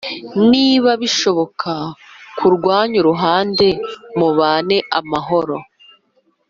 Niba bishoboka ku rwanyu ruhande mubane amahoro